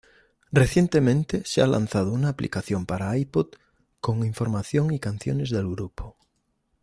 Recientemente se ha lanzado una aplicación para iPod con información y canciones del grupo.